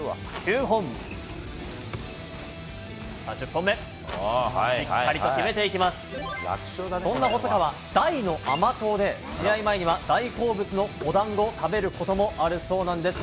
１０本目、しっかりと決めていきそんな細川、大の甘党で、試合前には大好物のおだんごを食べることもあるそうなんです。